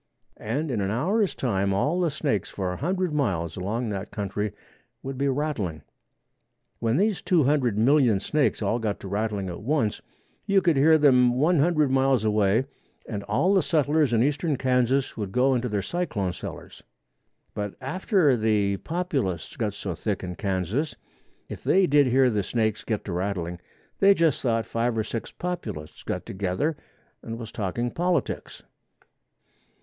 And in an hour's time all the snakes for a hundred miles along that country would be rattling. When these two hundred million snakes all got to rattling at once you could hear them one hundred miles away and all the settlers in eastern Kansas would go into their cyclone cellars. But after the Populists got so thick in Kansas, if they did hear the snakes get to rattling, they just thought five or six Populists got together and was talking politics.